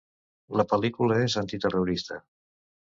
La pel·lícula és antiterrorista.